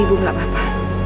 ibu gak apa apa